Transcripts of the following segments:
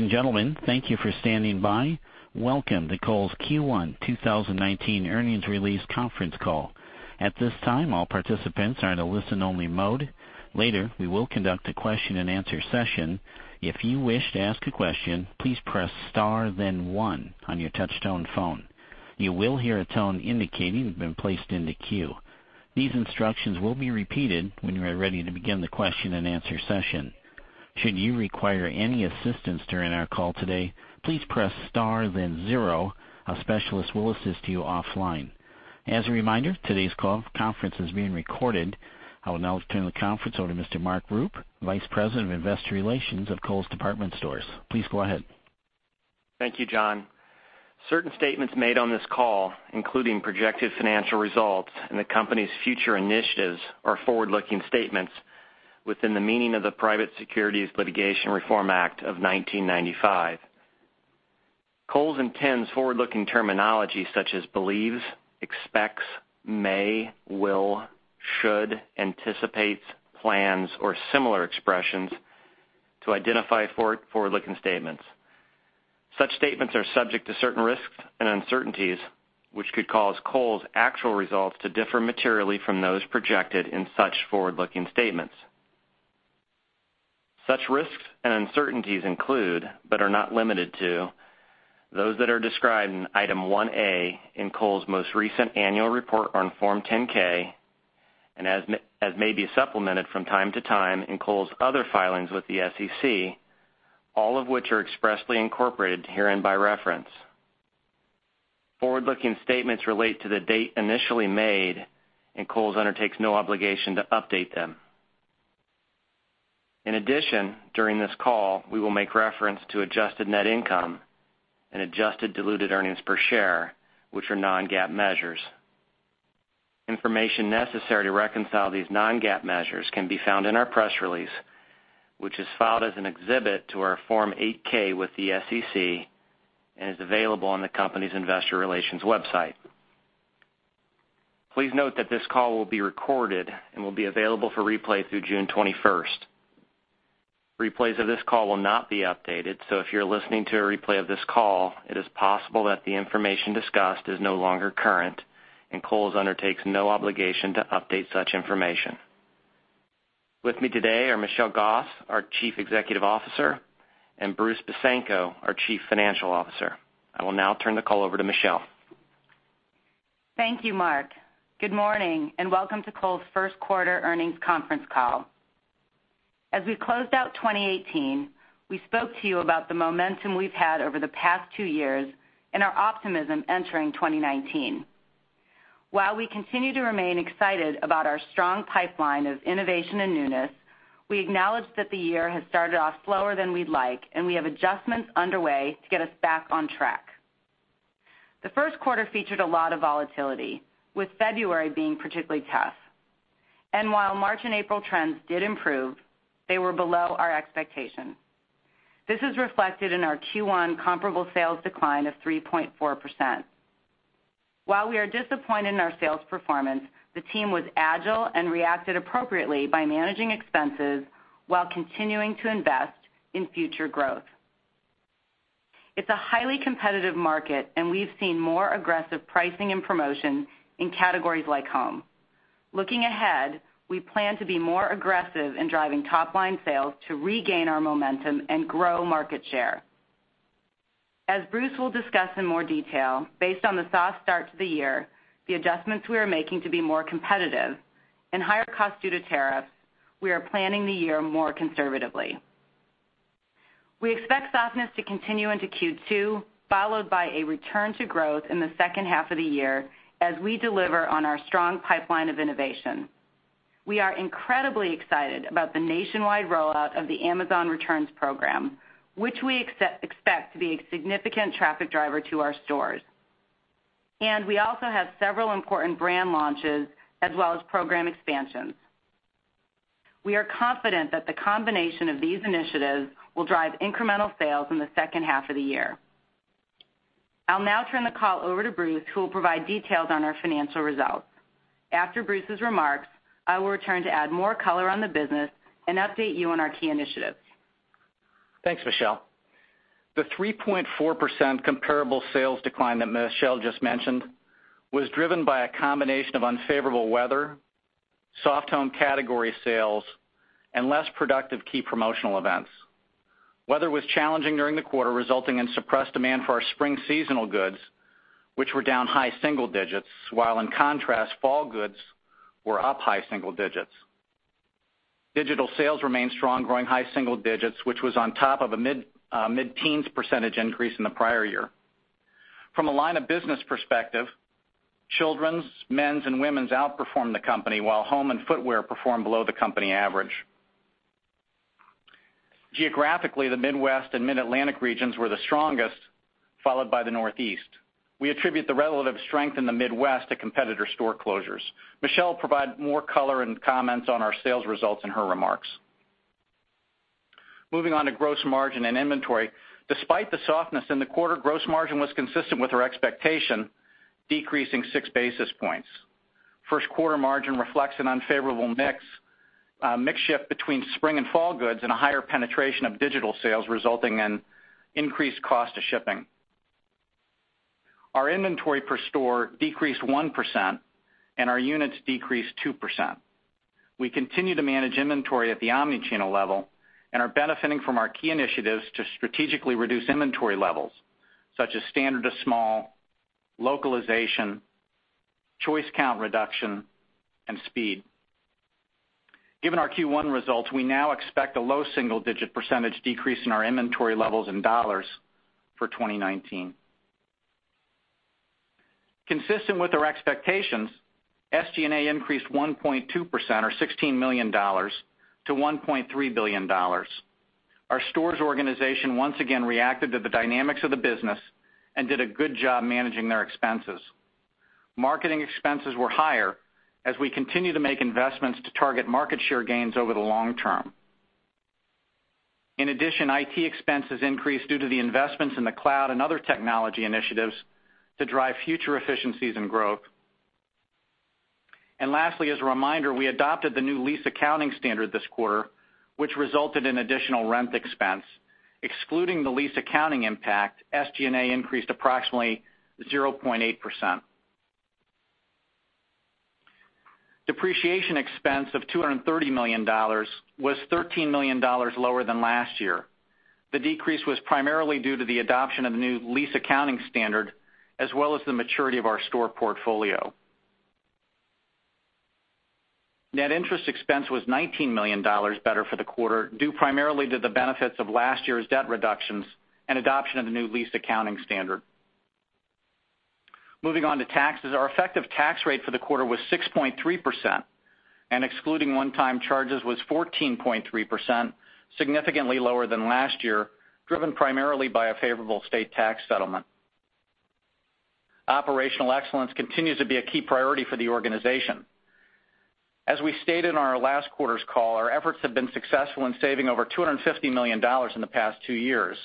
Ladies and gentlemen, thank you for standing by. Welcome to Kohl's Q1 2019 Earnings Release Conference Call. At this time, all participants are in a listen-only mode. Later, we will conduct a question-and-answer session. If you wish to ask a question, please press star, then one on your touch-tone phone. You will hear a tone indicating you've been placed into queue. These instructions will be repeated when you are ready to begin the question-and-answer session. Should you require any assistance during our call today, please press star, then zero. A specialist will assist you offline. As a reminder, today's call conference is being recorded. I will now turn the conference over to Mr. Mark Rupe, Vice President of Investor Relations of Kohl's Department Stores. Please go ahead. Thank you, John. Certain statements made on this call, including projected financial results and the company's future initiatives, are forward-looking statements within the meaning of the Private Securities Litigation Reform Act of 1995. Kohl's intends forward-looking terminology such as believes, expects, may, will, should, anticipates, plans, or similar expressions to identify forward-looking statements. Such statements are subject to certain risks and uncertainties, which could cause Kohl's actual results to differ materially from those projected in such forward-looking statements. Such risks and uncertainties include, but are not limited to, those that are described in item 1A in Kohl's most recent annual report on Form 10-K, and as may be supplemented from time to time in Kohl's other filings with the SEC, all of which are expressly incorporated herein by reference. Forward-looking statements relate to the date initially made, and Kohl's undertakes no obligation to update them. In addition, during this call, we will make reference to adjusted net income and adjusted diluted earnings per share, which are non-GAAP measures. Information necessary to reconcile these non-GAAP measures can be found in our press release, which is filed as an exhibit to our Form 8-K with the SEC and is available on the company's investor relations website. Please note that this call will be recorded and will be available for replay through June 21st. Replays of this call will not be updated, so if you're listening to a replay of this call, it is possible that the information discussed is no longer current, and Kohl's undertakes no obligation to update such information. With me today are Michelle Gass, our Chief Executive Officer, and Bruce Besanko, our Chief Financial Officer. I will now turn the call over to Michelle. Thank you, Mark. Good morning and welcome to Kohl's first quarter earnings conference call. As we closed out 2018, we spoke to you about the momentum we've had over the past two years and our optimism entering 2019. While we continue to remain excited about our strong pipeline of innovation and newness, we acknowledge that the year has started off slower than we'd like, and we have adjustments underway to get us back on track. The first quarter featured a lot of volatility, with February being particularly tough. While March and April trends did improve, they were below our expectations. This is reflected in our Q1 comparable sales decline of 3.4%. While we are disappointed in our sales performance, the team was agile and reacted appropriately by managing expenses while continuing to invest in future growth. It's a highly competitive market, and we've seen more aggressive pricing and promotion in categories like home. Looking ahead, we plan to be more aggressive in driving top-line sales to regain our momentum and grow market share. As Bruce will discuss in more detail, based on the soft start to the year, the adjustments we are making to be more competitive and higher costs due to tariffs, we are planning the year more conservatively. We expect softness to continue into Q2, followed by a return to growth in the second half of the year as we deliver on our strong pipeline of innovation. We are incredibly excited about the nationwide rollout of the Amazon Returns program, which we expect to be a significant traffic driver to our stores. We also have several important brand launches as well as program expansions. We are confident that the combination of these initiatives will drive incremental sales in the second half of the year. I'll now turn the call over to Bruce, who will provide details on our financial results. After Bruce's remarks, I will return to add more color on the business and update you on our key initiatives. Thanks, Michelle. The 3.4% comparable sales decline that Michelle just mentioned was driven by a combination of unfavorable weather, soft home category sales, and less productive key promotional events. Weather was challenging during the quarter, resulting in suppressed demand for our spring seasonal goods, which were down high single digits, while, in contrast, fall goods were up high single digits. Digital sales remained strong, growing high single digits, which was on top of a mid-teens percentage increase in the prior year. From a line of business perspective, children's, men's, and women's outperformed the company, while home and footwear performed below the company average. Geographically, the Midwest and Mid-Atlantic regions were the strongest, followed by the Northeast. We attribute the relative strength in the Midwest to competitor store closures. Michelle will provide more color and comments on our sales results in her remarks. Moving on to gross margin and inventory. Despite the softness in the quarter, gross margin was consistent with our expectation, decreasing 6 basis points. First quarter margin reflects an unfavorable mix shift between spring and fall goods and a higher penetration of digital sales, resulting in increased cost of shipping. Our inventory per store decreased 1%, and our units decreased 2%. We continue to manage inventory at the omnichannel level and are benefiting from our key initiatives to strategically reduce inventory levels, such as standard to small, localization, choice count reduction, and speed. Given our Q1 results, we now expect a low single-digit percent decrease in our inventory levels in dollars for 2019. Consistent with our expectations, SG&A increased 1.2%, or $16 million, to $1.3 billion. Our stores organization once again reacted to the dynamics of the business and did a good job managing their expenses. Marketing expenses were higher as we continue to make investments to target market share gains over the long term. In addition, IT expenses increased due to the investments in the cloud and other technology initiatives to drive future efficiencies and growth. Lastly, as a reminder, we adopted the new lease accounting standard this quarter, which resulted in additional rent expense. Excluding the lease accounting impact, SG&A increased approximately 0.8%. Depreciation expense of $230 million was $13 million lower than last year. The decrease was primarily due to the adoption of the new lease accounting standard as well as the maturity of our store portfolio. Net interest expense was $19 million better for the quarter, due primarily to the benefits of last year's debt reductions and adoption of the new lease accounting standard. Moving on to taxes, our effective tax rate for the quarter was 6.3%, and excluding one-time charges was 14.3%, significantly lower than last year, driven primarily by a favorable state tax settlement. Operational excellence continues to be a key priority for the organization. As we stated in our last quarter's call, our efforts have been successful in saving over $250 million in the past two years.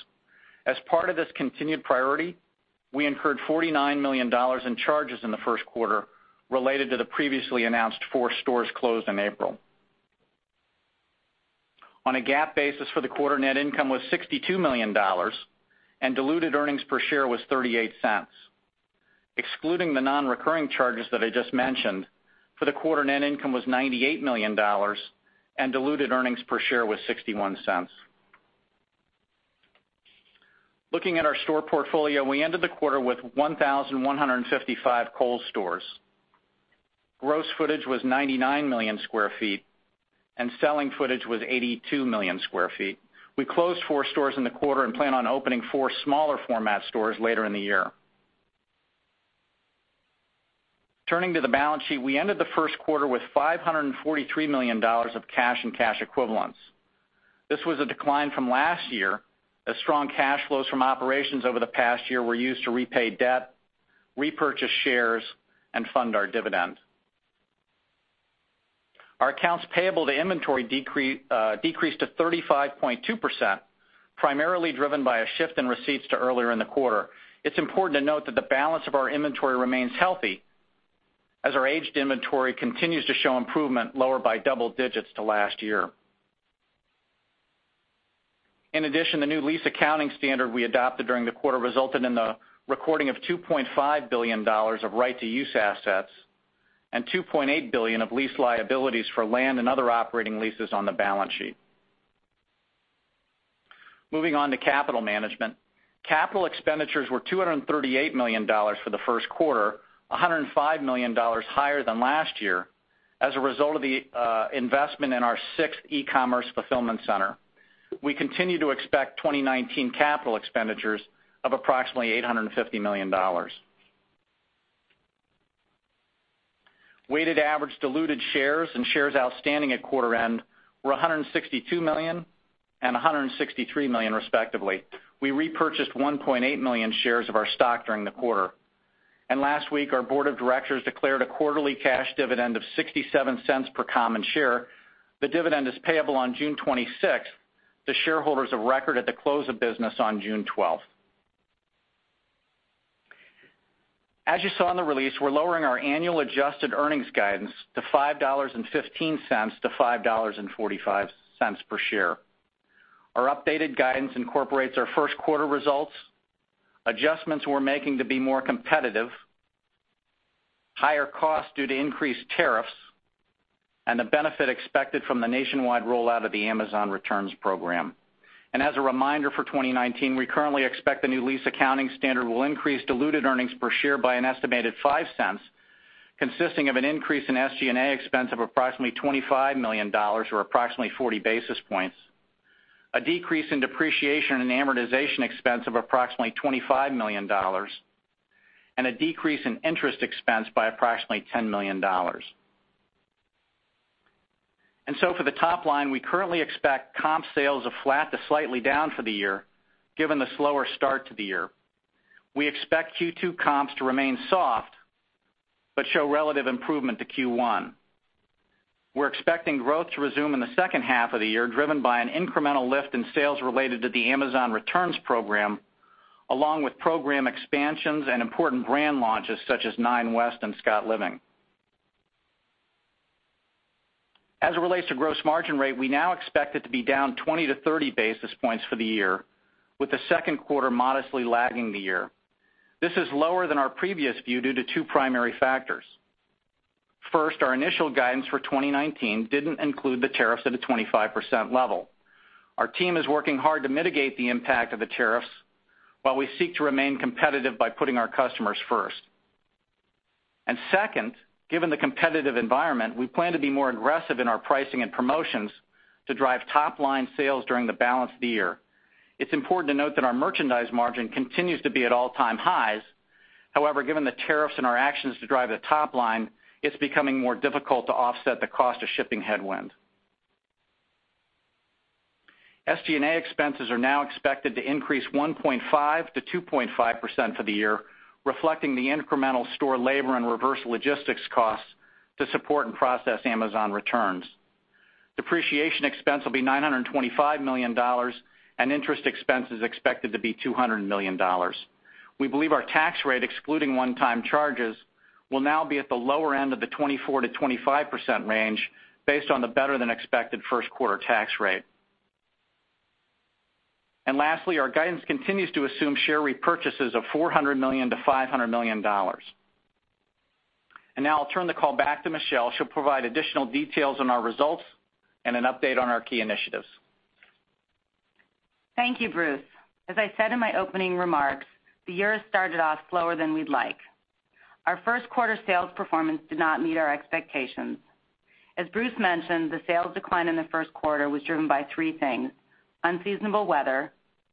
As part of this continued priority, we incurred $49 million in charges in the first quarter related to the previously announced four stores closed in April. On a GAAP basis, for the quarter, net income was $62 million, and diluted earnings per share was $0.38. Excluding the non-recurring charges that I just mentioned, for the quarter, net income was $98 million, and diluted earnings per share was $0.61. Looking at our store portfolio, we ended the quarter with 1,155 Kohl's stores. Gross footage was 99 million sq ft, and selling footage was 82 million sq ft. We closed four stores in the quarter and plan on opening four smaller-format stores later in the year. Turning to the balance sheet, we ended the first quarter with $543 million of cash and cash equivalents. This was a decline from last year, as strong cash flows from operations over the past year were used to repay debt, repurchase shares, and fund our dividend. Our accounts payable to inventory decreased to 35.2%, primarily driven by a shift in receipts to earlier in the quarter. It's important to note that the balance of our inventory remains healthy, as our aged inventory continues to show improvement, lower by double digits to last year. In addition, the new lease accounting standard we adopted during the quarter resulted in the recording of $2.5 billion of right-to-use assets and $2.8 billion of lease liabilities for land and other operating leases on the balance sheet. Moving on to capital management, capital expenditures were $238 million for the first quarter, $105 million higher than last year as a result of the investment in our sixth e-commerce fulfillment center. We continue to expect 2019 capital expenditures of approximately $850 million. Weighted average diluted shares and shares outstanding at quarter end were 162 million and 163 million, respectively. We repurchased 1.8 million shares of our stock during the quarter. Last week, our board of directors declared a quarterly cash dividend of $0.67 per common share. The dividend is payable on June 26th to shareholders of record at the close of business on June 12th. As you saw in the release, we're lowering our annual adjusted earnings guidance to $5.15-$5.45 per share. Our updated guidance incorporates our first quarter results, adjustments we're making to be more competitive, higher costs due to increased tariffs, and the benefit expected from the nationwide rollout of the Amazon Returns program. As a reminder for 2019, we currently expect the new lease accounting standard will increase diluted earnings per share by an estimated $0.05, consisting of an increase in SG&A expense of approximately $25 million, or approximately 40 basis points, a decrease in depreciation and amortization expense of approximately $25 million, and a decrease in interest expense by approximately $10 million. For the top line, we currently expect comp sales are flat to slightly down for the year, given the slower start to the year. We expect Q2 comps to remain soft but show relative improvement to Q1. We're expecting growth to resume in the second half of the year, driven by an incremental lift in sales related to the Amazon Returns program, along with program expansions and important brand launches such as Nine West and Scott Living. As it relates to gross margin rate, we now expect it to be down 20-30 basis points for the year, with the second quarter modestly lagging the year. This is lower than our previous view due to two primary factors. First, our initial guidance for 2019 didn't include the tariffs at a 25% level. Our team is working hard to mitigate the impact of the tariffs while we seek to remain competitive by putting our customers first. Second, given the competitive environment, we plan to be more aggressive in our pricing and promotions to drive top-line sales during the balance of the year. It's important to note that our merchandise margin continues to be at all-time highs. However, given the tariffs and our actions to drive the top line, it's becoming more difficult to offset the cost of shipping headwind. SG&A expenses are now expected to increase 1.5%-2.5% for the year, reflecting the incremental store labor and reverse logistics costs to support and process Amazon Returns. Depreciation expense will be $925 million, and interest expense is expected to be $200 million. We believe our tax rate, excluding one-time charges, will now be at the lower end of the 24%-25% range based on the better-than-expected first quarter tax rate. Lastly, our guidance continues to assume share repurchases of $400 million-$500 million. Now I'll turn the call back to Michelle. She'll provide additional details on our results and an update on our key initiatives. Thank you, Bruce. As I said in my opening remarks, the year has started off slower than we'd like. Our first quarter sales performance did not meet our expectations. As Bruce mentioned, the sales decline in the first quarter was driven by three things: unseasonable weather,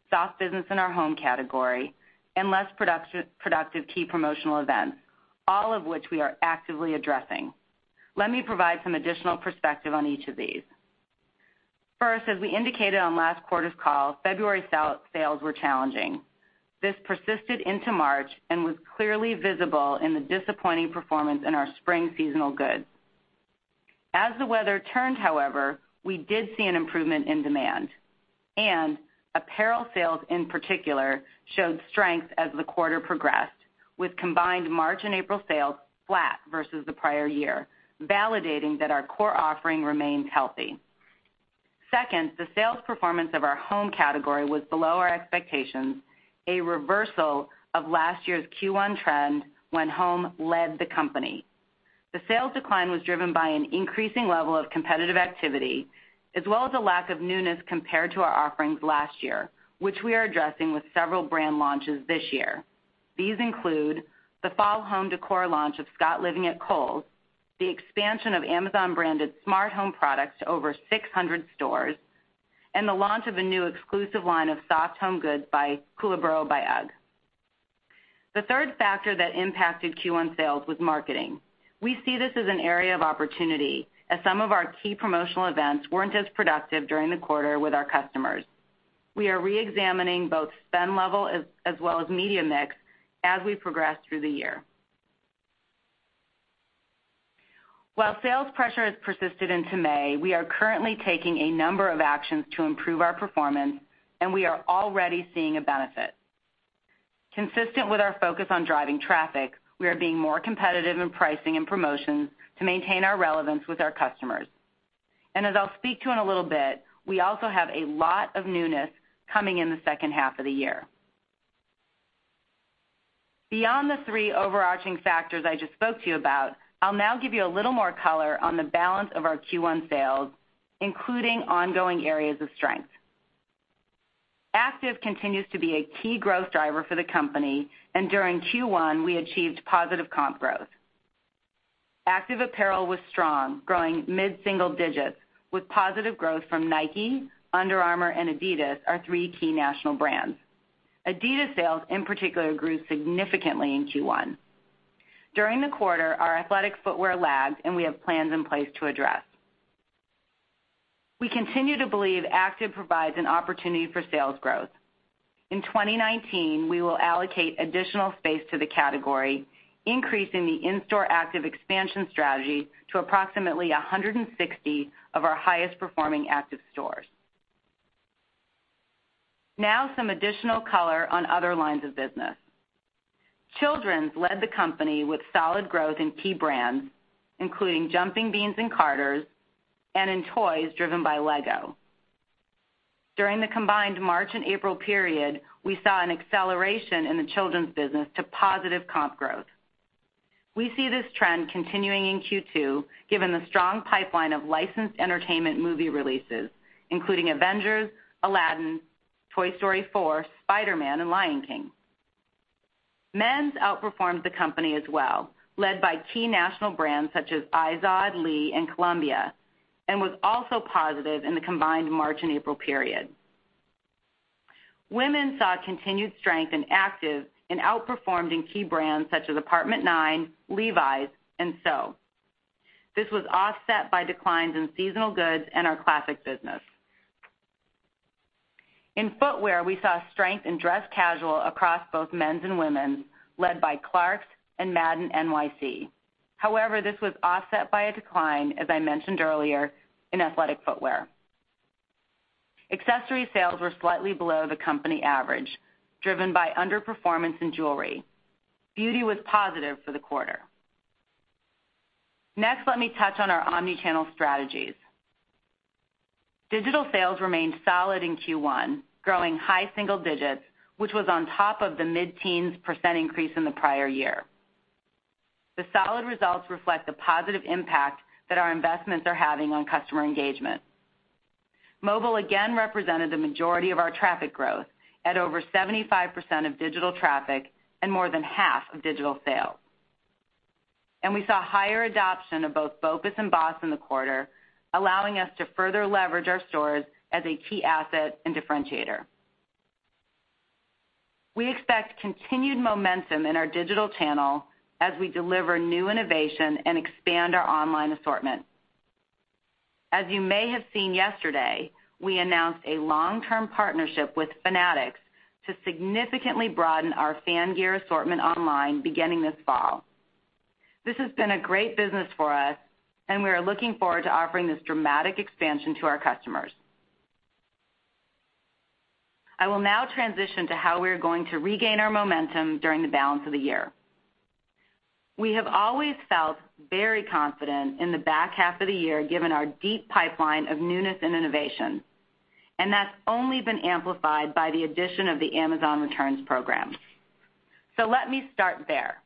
soft business in our home category, and less productive key promotional events, all of which we are actively addressing. Let me provide some additional perspective on each of these. First, as we indicated on last quarter's call, February sales were challenging. This persisted into March and was clearly visible in the disappointing performance in our spring seasonal goods. As the weather turned, however, we did see an improvement in demand. Apparel sales, in particular, showed strength as the quarter progressed, with combined March and April sales flat versus the prior year, validating that our core offering remains healthy. Second, the sales performance of our home category was below our expectations, a reversal of last year's Q1 trend when home led the company. The sales decline was driven by an increasing level of competitive activity, as well as a lack of newness compared to our offerings last year, which we are addressing with several brand launches this year. These include the fall home decor launch of Scott Living at Kohl's, the expansion of Amazon-branded smart home products to over 600 stores, and the launch of a new exclusive line of soft home goods by Koolaburra by UGG. The third factor that impacted Q1 sales was marketing. We see this as an area of opportunity, as some of our key promotional events weren't as productive during the quarter with our customers. We are re-examining both spend level as well as media mix as we progress through the year. While sales pressure has persisted into May, we are currently taking a number of actions to improve our performance, and we are already seeing a benefit. Consistent with our focus on driving traffic, we are being more competitive in pricing and promotions to maintain our relevance with our customers. As I'll speak to in a little bit, we also have a lot of newness coming in the second half of the year. Beyond the three overarching factors I just spoke to you about, I'll now give you a little more color on the balance of our Q1 sales, including ongoing areas of strength. Active continues to be a key growth driver for the company, and during Q1, we achieved positive comp growth. Active apparel was strong, growing mid-single digits, with positive growth from Nike, Under Armour, and Adidas, our three key national brands. Adidas sales, in particular, grew significantly in Q1. During the quarter, our athletic footwear lagged, and we have plans in place to address. We continue to believe Active provides an opportunity for sales growth. In 2019, we will allocate additional space to the category, increasing the in-store active expansion strategy to approximately 160 of our highest-performing active stores. Now some additional color on other lines of business. Children's led the company with solid growth in key brands, including Jumping Beans and Carter's, and in toys driven by Lego. During the combined March and April period, we saw an acceleration in the children's business to positive comp growth. We see this trend continuing in Q2, given the strong pipeline of licensed entertainment movie releases, including Avengers, Aladdin, Toy Story 4, Spider-Man, and Lion King. Men's outperformed the company as well, led by key national brands such as IZOD, Lee, and Columbia, and was also positive in the combined March and April period. Women's saw continued strength in Active and outperformed in key brands such as Apartment 9, Levi's, and SEW. This was offset by declines in seasonal goods and our classic business. In footwear, we saw strength in dress casual across both men's and women's, led by Clarks and Madden NYC. However, this was offset by a decline, as I mentioned earlier, in athletic footwear. Accessory sales were slightly below the company average, driven by underperformance in jewelry. Beauty was positive for the quarter. Next, let me touch on our omnichannel strategies. Digital sales remained solid in Q1, growing high single digits, which was on top of the mid-teens percent increase in the prior year. The solid results reflect the positive impact that our investments are having on customer engagement. Mobile again represented the majority of our traffic growth, at over 75% of digital traffic and more than half of digital sales. We saw higher adoption of both BOPUS and BOSS in the quarter, allowing us to further leverage our stores as a key asset and differentiator. We expect continued momentum in our digital channel as we deliver new innovation and expand our online assortment. As you may have seen yesterday, we announced a long-term partnership with Fanatics to significantly broaden our fan gear assortment online beginning this fall. This has been a great business for us, and we are looking forward to offering this dramatic expansion to our customers. I will now transition to how we are going to regain our momentum during the balance of the year. We have always felt very confident in the back half of the year, given our deep pipeline of newness and innovation, and that's only been amplified by the addition of the Amazon Returns program. Let me start there.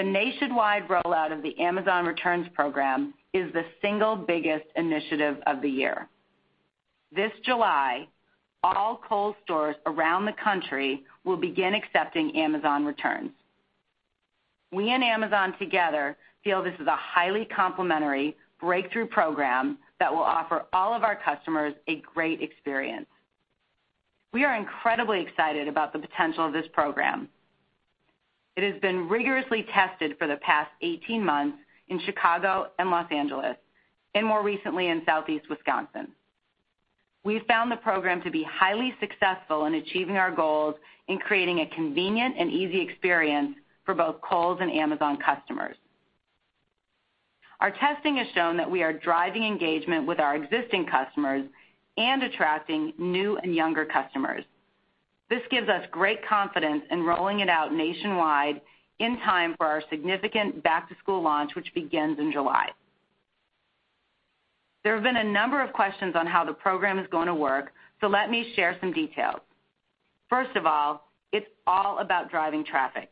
The nationwide rollout of the Amazon Returns program is the single biggest initiative of the year. This July, all Kohl's stores around the country will begin accepting Amazon Returns. We and Amazon together feel this is a highly complementary, breakthrough program that will offer all of our customers a great experience. We are incredibly excited about the potential of this program. It has been rigorously tested for the past 18 months in Chicago and Los Angeles, and more recently in Southeast Wisconsin. We've found the program to be highly successful in achieving our goals in creating a convenient and easy experience for both Kohl's and Amazon customers. Our testing has shown that we are driving engagement with our existing customers and attracting new and younger customers. This gives us great confidence in rolling it out nationwide in time for our significant back-to-school launch, which begins in July. There have been a number of questions on how the program is going to work, so let me share some details. First of all, it's all about driving traffic.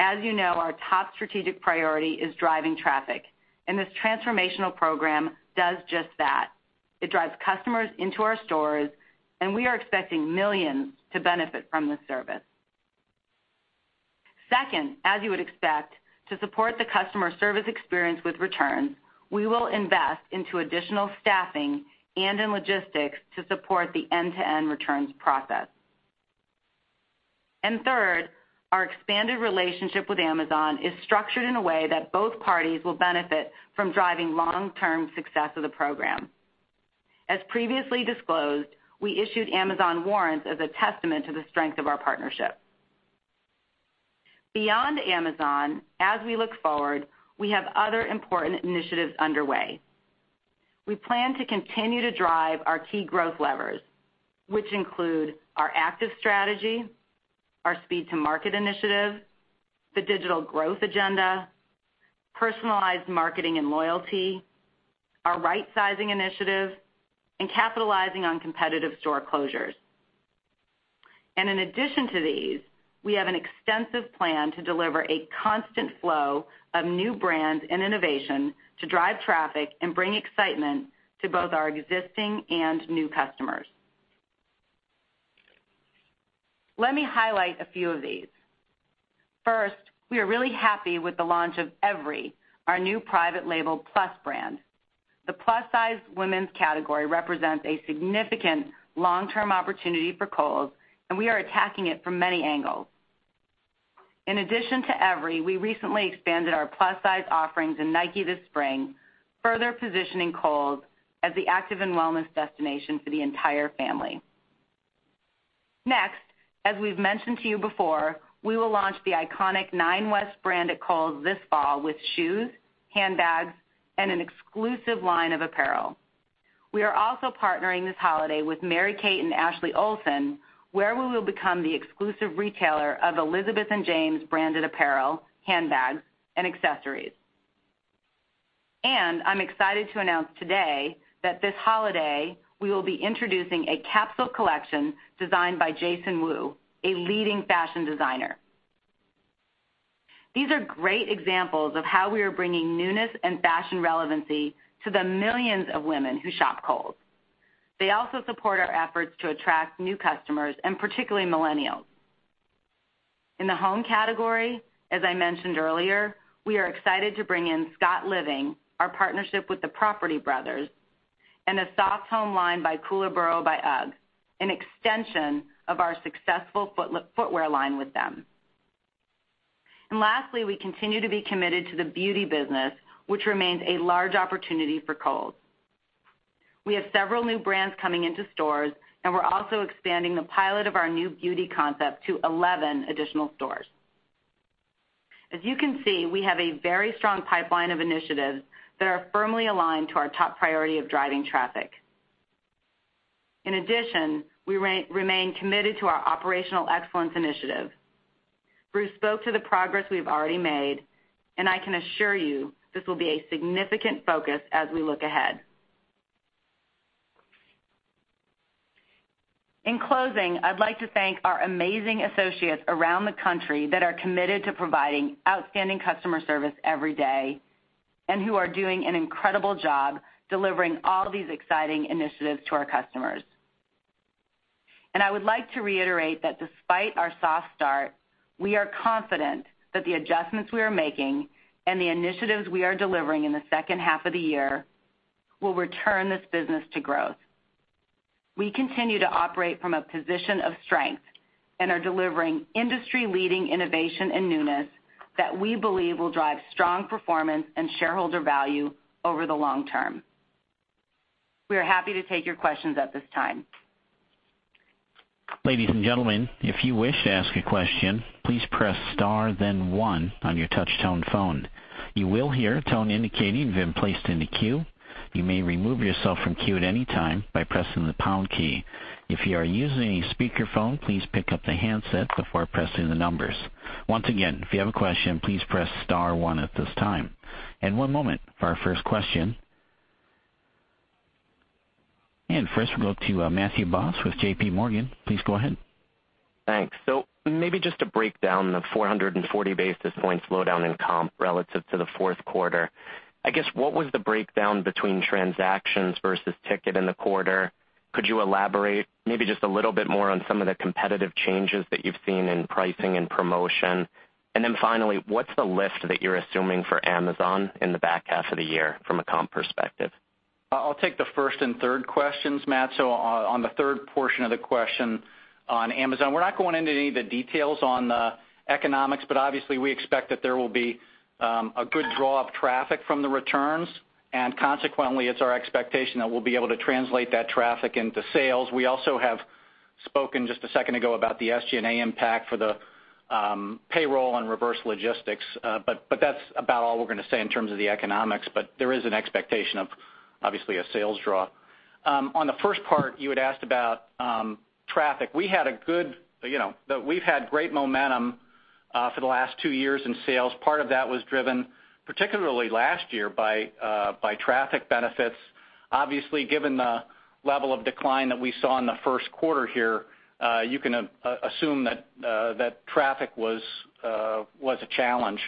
As you know, our top strategic priority is driving traffic, and this transformational program does just that. It drives customers into our stores, and we are expecting millions to benefit from this service. Second, as you would expect, to support the customer service experience with Returns, we will invest into additional staffing and in logistics to support the end-to-end Returns process. Third, our expanded relationship with Amazon is structured in a way that both parties will benefit from driving long-term success of the program. As previously disclosed, we issued Amazon warrants as a testament to the strength of our partnership. Beyond Amazon, as we look forward, we have other important initiatives underway. We plan to continue to drive our key growth levers, which include our active strategy, our speed-to-market initiative, the digital growth agenda, personalized marketing and loyalty, our right-sizing initiative, and capitalizing on competitive store closures. In addition to these, we have an extensive plan to deliver a constant flow of new brands and innovation to drive traffic and bring excitement to both our existing and new customers. Let me highlight a few of these. First, we are really happy with the launch of Every, our new private label plus brand. The plus-size women's category represents a significant long-term opportunity for Kohl's, and we are attacking it from many angles. In addition to Every, we recently expanded our plus-size offerings in Nike this spring, further positioning Kohl's as the active and wellness destination for the entire family. Next, as we've mentioned to you before, we will launch the iconic Nine West brand at Kohl's this fall with shoes, handbags, and an exclusive line of apparel. We are also partnering this holiday with Mary-Kate and Ashley Olsen, where we will become the exclusive retailer of Elizabeth and James branded apparel, handbags, and accessories. I'm excited to announce today that this holiday, we will be introducing a capsule collection designed by Jason Wu, a leading fashion designer. These are great examples of how we are bringing newness and fashion relevancy to the millions of women who shop Kohl's. They also support our efforts to attract new customers, and particularly millennials. In the home category, as I mentioned earlier, we are excited to bring in Scott Living, our partnership with the Property Brothers, and a soft home line by Koolaburra by UGG, an extension of our successful footwear line with them. Lastly, we continue to be committed to the beauty business, which remains a large opportunity for Kohl's. We have several new brands coming into stores, and we're also expanding the pilot of our new beauty concept to 11 additional stores. As you can see, we have a very strong pipeline of initiatives that are firmly aligned to our top priority of driving traffic. In addition, we remain committed to our operational excellence initiative. Bruce spoke to the progress we've already made, and I can assure you this will be a significant focus as we look ahead. In closing, I'd like to thank our amazing associates around the country that are committed to providing outstanding customer service every day and who are doing an incredible job delivering all these exciting initiatives to our customers. I would like to reiterate that despite our soft start, we are confident that the adjustments we are making and the initiatives we are delivering in the second half of the year will return this business to growth. We continue to operate from a position of strength and are delivering industry-leading innovation and newness that we believe will drive strong performance and shareholder value over the long term. We are happy to take your questions at this time. Ladies and gentlemen, if you wish to ask a question, please press star, then one on your touch-tone phone. You will hear a tone indicating you've been placed into queue. You may remove yourself from queue at any time by pressing the pound key. If you are using a speakerphone, please pick up the handset before pressing the numbers. Once again, if you have a question, please press star, one at this time. One moment for our first question. First, we'll go to Matthew Boss with JPMorgan. Please go ahead. Thanks. Maybe just to break down the 440 basis points low down in comp relative to the fourth quarter. I guess, what was the breakdown between transactions versus ticket in the quarter? Could you elaborate maybe just a little bit more on some of the competitive changes that you've seen in pricing and promotion? Finally, what's the lift that you're assuming for Amazon in the back half of the year from a comp perspective? I'll take the first and third questions, Matt. On the third portion of the question on Amazon, we're not going into any of the details on the economics, but obviously, we expect that there will be a good draw of traffic from the returns, and consequently, it's our expectation that we'll be able to translate that traffic into sales. We also have spoken just a second ago about the SG&A impact for the payroll and reverse logistics, but that's about all we're going to say in terms of the economics. There is an expectation of, obviously, a sales draw. On the first part, you had asked about traffic. We had a good—we've had great momentum for the last two years in sales. Part of that was driven, particularly last year, by traffic benefits. Obviously, given the level of decline that we saw in the first quarter here, you can assume that traffic was a challenge.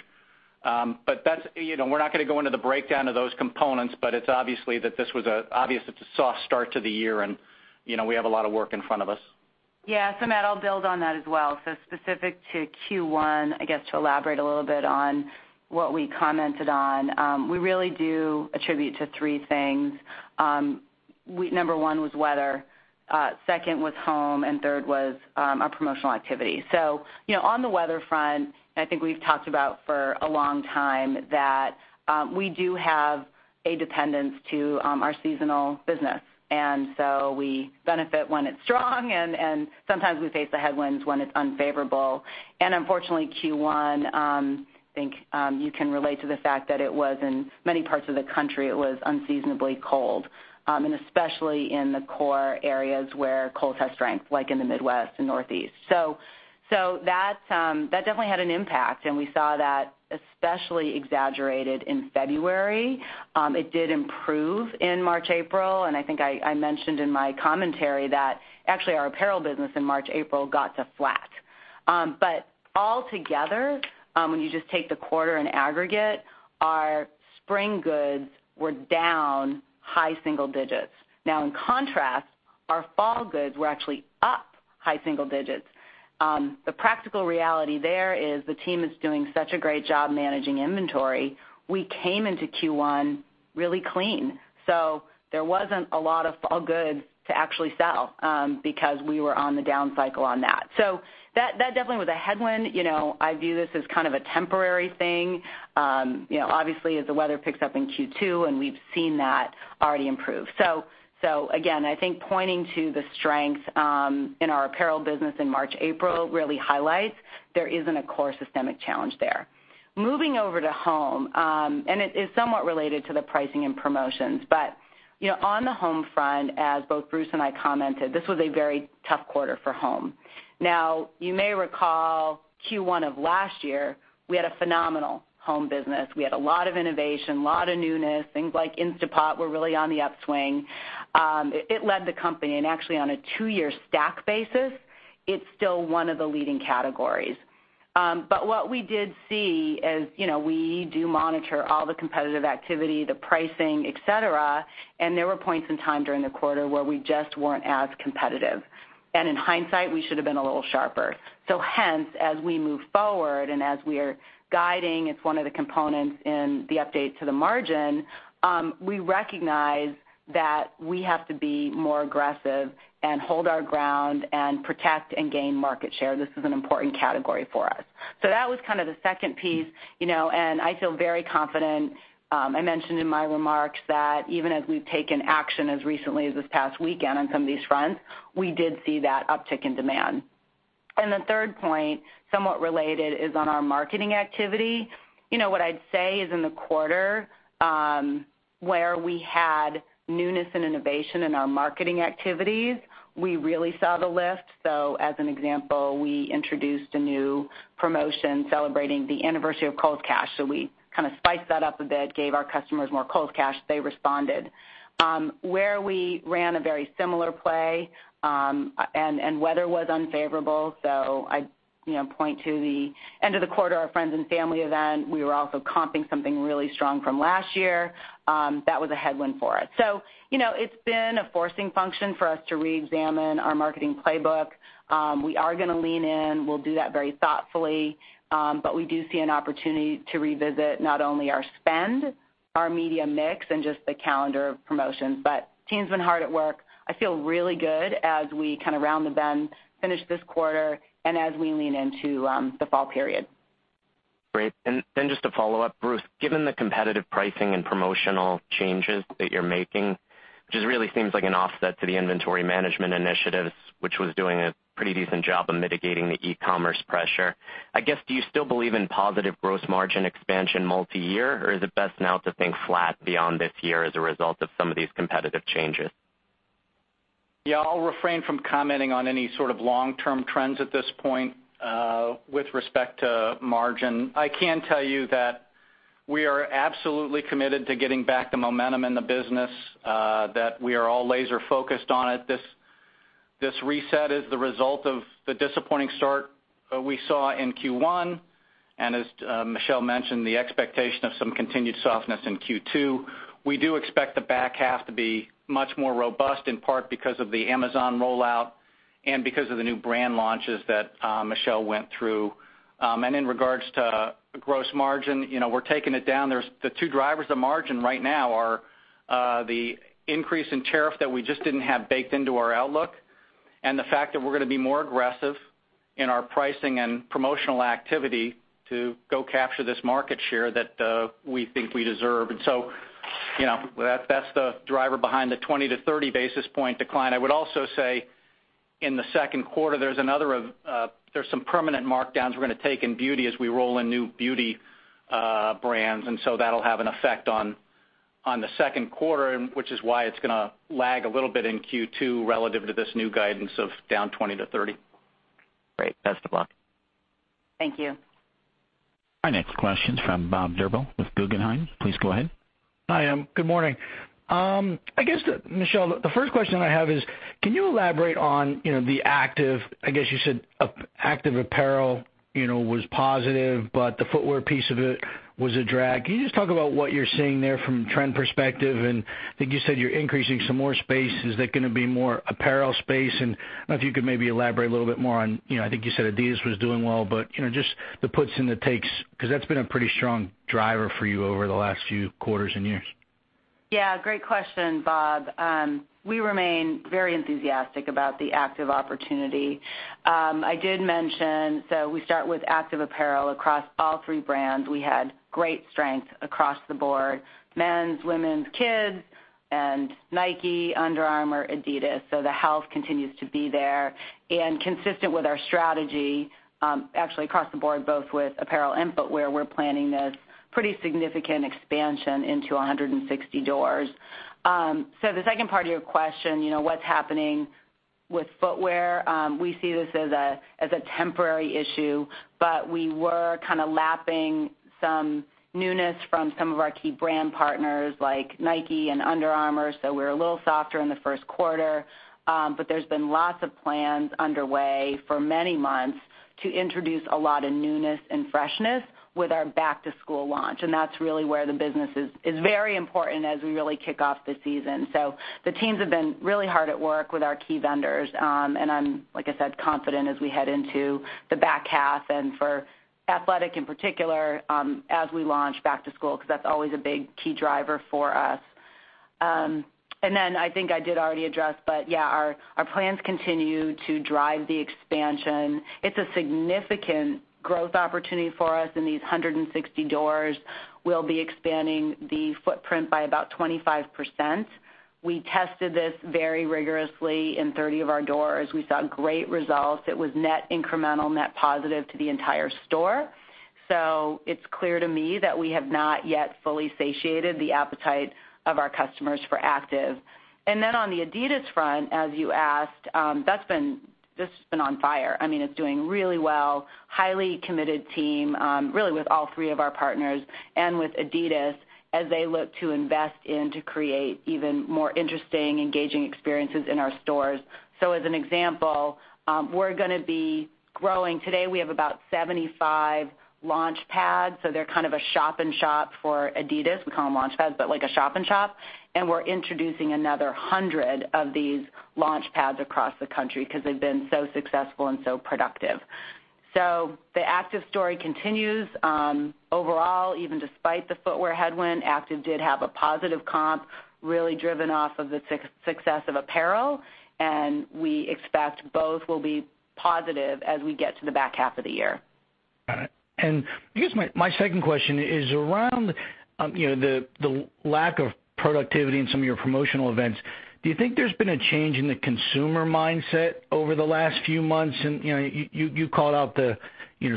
We're not going to go into the breakdown of those components, but it's obvious that this was an obvious, it's a soft start to the year, and we have a lot of work in front of us. Yeah. Matt, I'll build on that as well. Specific to Q1, I guess to elaborate a little bit on what we commented on, we really do attribute to three things. Number one was weather, second was home, and third was our promotional activity. On the weather front, I think we've talked about for a long time that we do have a dependence to our seasonal business. We benefit when it's strong, and sometimes we face the headwinds when it's unfavorable. Unfortunately, Q1, I think you can relate to the fact that it was in many parts of the country, it was unseasonably cold, and especially in the core areas where Kohl's has strength, like in the Midwest and Northeast. That definitely had an impact, and we saw that especially exaggerated in February. It did improve in March, April, and I think I mentioned in my commentary that actually our apparel business in March, April got to flat. Altogether, when you just take the quarter in aggregate, our spring goods were down high single digits. In contrast, our fall goods were actually up high single digits. The practical reality there is the team is doing such a great job managing inventory. We came into Q1 really clean. There was not a lot of fall goods to actually sell because we were on the down cycle on that. That definitely was a headwind. I view this as kind of a temporary thing. Obviously, as the weather picks up in Q2, and we've seen that already improve. Again, I think pointing to the strength in our apparel business in March, April really highlights there isn't a core systemic challenge there. Moving over to home, and it is somewhat related to the pricing and promotions, but on the home front, as both Bruce and I commented, this was a very tough quarter for home. Now, you may recall Q1 of last year, we had a phenomenal home business. We had a lot of innovation, a lot of newness, things like Instant Pot were really on the upswing. It led the company, and actually on a two-year stack basis, it's still one of the leading categories. What we did see is we do monitor all the competitive activity, the pricing, etc., and there were points in time during the quarter where we just were not as competitive. In hindsight, we should have been a little sharper. As we move forward and as we are guiding, it is one of the components in the update to the margin. We recognize that we have to be more aggressive and hold our ground and protect and gain market share. This is an important category for us. That was kind of the second piece, and I feel very confident. I mentioned in my remarks that even as we have taken action as recently as this past weekend on some of these fronts, we did see that uptick in demand. The third point, somewhat related, is on our marketing activity. What I'd say is in the quarter where we had newness and innovation in our marketing activities, we really saw the lift. As an example, we introduced a new promotion celebrating the anniversary of Kohl's Cash. We kind of spiced that up a bit, gave our customers more Kohl's Cash. They responded. Where we ran a very similar play and weather was unfavorable, I point to the end of the quarter, our friends and family event. We were also comping something really strong from last year. That was a headwind for us. It has been a forcing function for us to re-examine our marketing playbook. We are going to lean in. We'll do that very thoughtfully, but we do see an opportunity to revisit not only our spend, our media mix, and just the calendar of promotions, but team's been hard at work. I feel really good as we kind of round the bend, finish this quarter, and as we lean into the fall period. Great. Just to follow up, Bruce, given the competitive pricing and promotional changes that you're making, which really seems like an offset to the inventory management initiatives, which was doing a pretty decent job of mitigating the e-commerce pressure, I guess, do you still believe in positive gross margin expansion multi-year, or is it best now to think flat beyond this year as a result of some of these competitive changes? Yeah. I'll refrain from commenting on any sort of long-term trends at this point with respect to margin. I can tell you that we are absolutely committed to getting back the momentum in the business, that we are all laser-focused on it. This reset is the result of the disappointing start we saw in Q1, and as Michelle mentioned, the expectation of some continued softness in Q2. We do expect the back half to be much more robust, in part because of the Amazon rollout and because of the new brand launches that Michelle went through. In regards to gross margin, we're taking it down. The two drivers of margin right now are the increase in tariff that we just didn't have baked into our outlook and the fact that we're going to be more aggressive in our pricing and promotional activity to go capture this market share that we think we deserve. That is the driver behind the 20-30 basis point decline. I would also say in the second quarter, there's some permanent markdowns we're going to take in beauty as we roll in new beauty brands, and so that'll have an effect on the second quarter, which is why it's going to lag a little bit in Q2 relative to this new guidance of down 20%-30%. Great. Best of luck. Thank you. Our next question is from Bob Drbul with Guggenheim. Please go ahead. Hi. Good morning. I guess, Michelle, the first question I have is, can you elaborate on the active—I guess you said active apparel was positive, but the footwear piece of it was a drag? Can you just talk about what you're seeing there from a trend perspective? I think you said you're increasing some more space. Is that going to be more apparel space? I don't know if you could maybe elaborate a little bit more on—I think you said Adidas was doing well, but just the puts and the takes, because that's been a pretty strong driver for you over the last few quarters and years. Yeah. Great question, Bob. We remain very enthusiastic about the active opportunity. I did mention, so we start with active apparel across all three brands. We had great strength across the board: men's, women's, kids, and Nike, Under Armour, Adidas. The health continues to be there and consistent with our strategy, actually across the board, both with apparel and footwear. We're planning this pretty significant expansion into 160 doors. The second part of your question, what's happening with footwear? We see this as a temporary issue, but we were kind of lapping some newness from some of our key brand partners like Nike and Under Armour. We are a little softer in the first quarter, but there have been lots of plans underway for many months to introduce a lot of newness and freshness with our back-to-school launch. That is really where the business is very important as we really kick off the season. The teams have been really hard at work with our key vendors, and like I said, I am confident as we head into the back half and for athletic in particular as we launch back-to-school, because that is always a big key driver for us. I think I did already address, but yeah, our plans continue to drive the expansion. It is a significant growth opportunity for us in these 160 doors. We'll be expanding the footprint by about 25%. We tested this very rigorously in 30 of our doors. We saw great results. It was net incremental, net positive to the entire store. It's clear to me that we have not yet fully satiated the appetite of our customers for active. On the Adidas front, as you asked, that's been on fire. I mean, it's doing really well, highly committed team, really with all three of our partners and with Adidas as they look to invest in to create even more interesting, engaging experiences in our stores. As an example, we're going to be growing. Today, we have about 75 launch pads. They're kind of a shop and shop for Adidas. We call them launch pads, but like a shop and shop. We're introducing another hundred of these launch pads across the country because they've been so successful and so productive. The active story continues. Overall, even despite the footwear headwind, active did have a positive comp, really driven off of the success of apparel, and we expect both will be positive as we get to the back half of the year. Got it. I guess my second question is around the lack of productivity in some of your promotional events. Do you think there's been a change in the consumer mindset over the last few months? You called out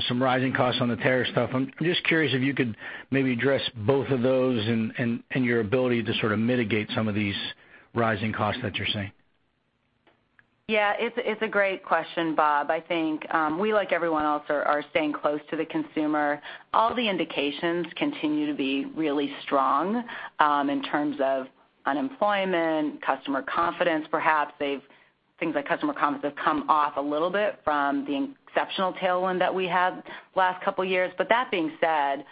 some rising costs on the tariff stuff. I'm just curious if you could maybe address both of those and your ability to sort of mitigate some of these rising costs that you're seeing. Yeah. It's a great question, Bob. I think we, like everyone else, are staying close to the consumer. All the indications continue to be really strong in terms of unemployment, customer confidence. Perhaps things like customer confidence have come off a little bit from the exceptional tailwind that we had last couple of years. That being said,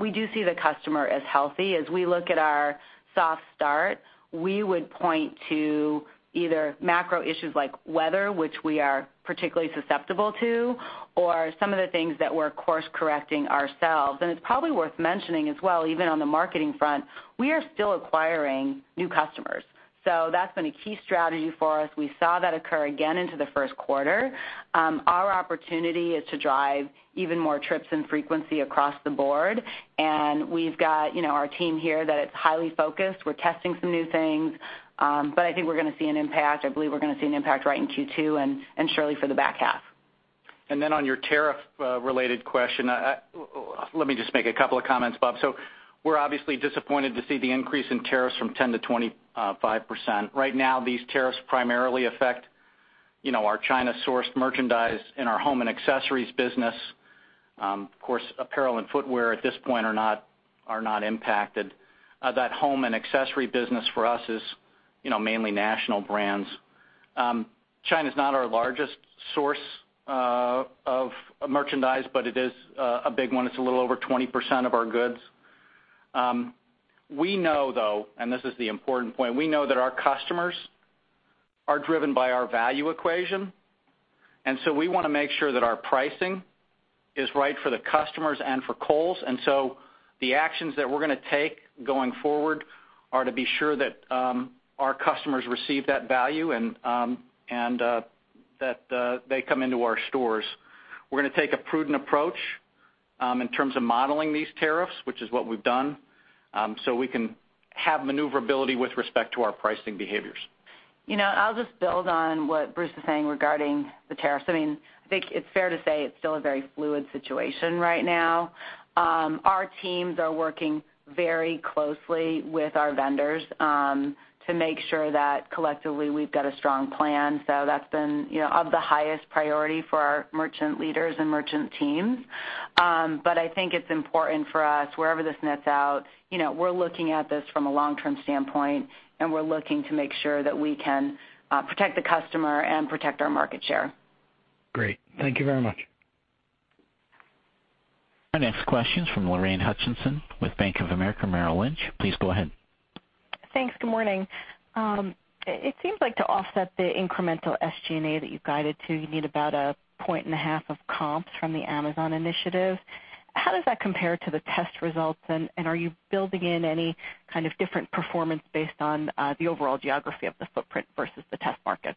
we do see the customer as healthy. As we look at our soft start, we would point to either macro issues like weather, which we are particularly susceptible to, or some of the things that we're course-correcting ourselves. It is probably worth mentioning as well, even on the marketing front, we are still acquiring new customers. That has been a key strategy for us. We saw that occur again into the first quarter. Our opportunity is to drive even more trips and frequency across the board. We have our team here that is highly focused. We're testing some new things, but I think we're going to see an impact. I believe we're going to see an impact right in Q2 and surely for the back half. On your tariff-related question, let me just make a couple of comments, Bob. We're obviously disappointed to see the increase in tariffs from 10% to 25%. Right now, these tariffs primarily affect our China-sourced merchandise in our home and accessories business. Of course, apparel and footwear at this point are not impacted. That home and accessory business for us is mainly national brands. China is not our largest source of merchandise, but it is a big one. It's a little over 20% of our goods. We know, though, and this is the important point, we know that our customers are driven by our value equation. We want to make sure that our pricing is right for the customers and for Kohl's. The actions that we're going to take going forward are to be sure that our customers receive that value and that they come into our stores. We're going to take a prudent approach in terms of modeling these tariffs, which is what we've done, so we can have maneuverability with respect to our pricing behaviors. I'll just build on what Bruce was saying regarding the tariffs. I mean, I think it's fair to say it's still a very fluid situation right now. Our teams are working very closely with our vendors to make sure that collectively we've got a strong plan. That's been of the highest priority for our merchant leaders and merchant teams. I think it's important for us, wherever this nets out, we're looking at this from a long-term standpoint, and we're looking to make sure that we can protect the customer and protect our market share. Great. Thank you very much. Our next question is from Lorraine Hutchinson with Bank of America, Merrill Lynch. Please go ahead. Thanks. Good morning. It seems like to offset the incremental SG&A that you guided to, you need about a point and a half of comps from the Amazon initiative. How does that compare to the test results? Are you building in any kind of different performance based on the overall geography of the footprint versus the test market?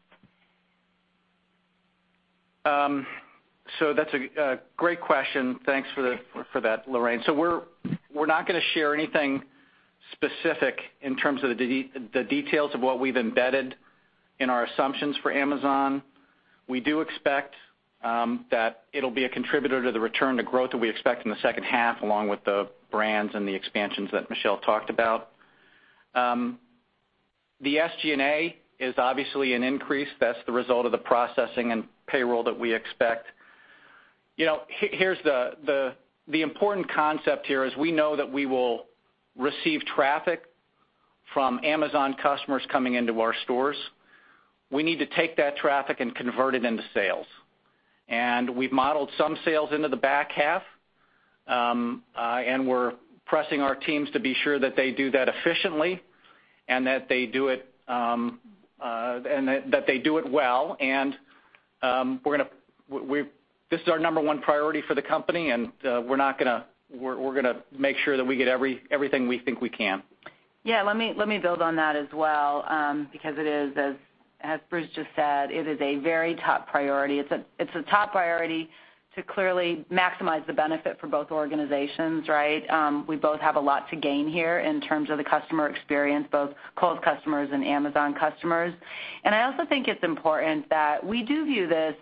That's a great question. Thanks for that, Lorraine. We're not going to share anything specific in terms of the details of what we've embedded in our assumptions for Amazon. We do expect that it'll be a contributor to the return to growth that we expect in the second half, along with the brands and the expansions that Michelle talked about. The SG&A is obviously an increase. That's the result of the processing and payroll that we expect. Here's the important concept here: we know that we will receive traffic from Amazon customers coming into our stores. We need to take that traffic and convert it into sales. We've modeled some sales into the back half, and we're pressing our teams to be sure that they do that efficiently and that they do it and that they do it well. This is our number one priority for the company, and we're going to make sure that we get everything we think we can. Yeah. Let me build on that as well, because it is, as Bruce just said, it is a very top priority. It is a top priority to clearly maximize the benefit for both organizations, right? We both have a lot to gain here in terms of the customer experience, both Kohl's customers and Amazon customers. I also think it's important that we do view this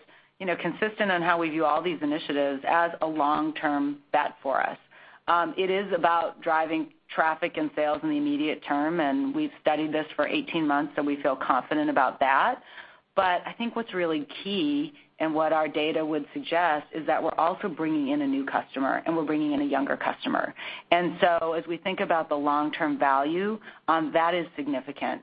consistent on how we view all these initiatives as a long-term bet for us. It is about driving traffic and sales in the immediate term, and we've studied this for 18 months, so we feel confident about that. I think what's really key and what our data would suggest is that we're also bringing in a new customer, and we're bringing in a younger customer. As we think about the long-term value, that is significant.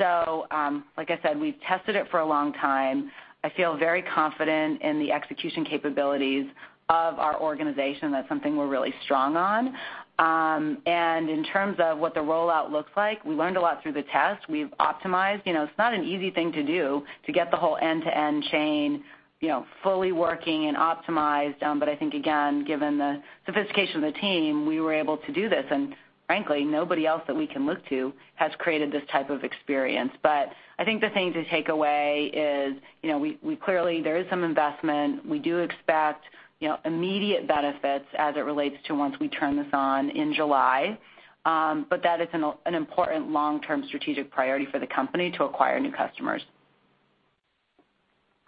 Like I said, we've tested it for a long time. I feel very confident in the execution capabilities of our organization. That's something we're really strong on. In terms of what the rollout looks like, we learned a lot through the test. We've optimized. It's not an easy thing to do to get the whole end-to-end chain fully working and optimized. I think, again, given the sophistication of the team, we were able to do this. Frankly, nobody else that we can look to has created this type of experience. I think the thing to take away is clearly there is some investment. We do expect immediate benefits as it relates to once we turn this on in July, but that it's an important long-term strategic priority for the company to acquire new customers.